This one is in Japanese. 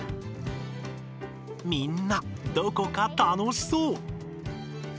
みんなどこか楽しそう。